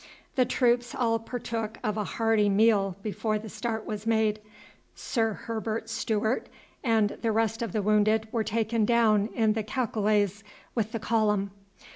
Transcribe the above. The troops all partook of a hearty meal before the start was made. Sir Herbert Stewart and the rest of the wounded were taken down in the cacolets with the column.